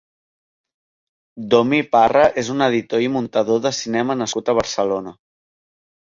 Domi Parra és un editor i muntador de cinema nascut a Barcelona.